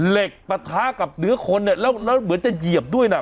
เหล็กปะท้ากับเหนือคนน่ะแล้วเหมือนจะเหยียบด้วยน่ะ